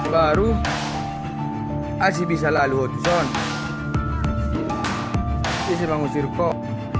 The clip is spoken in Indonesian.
baru asyik bisa lalu hodson isi pengusir kok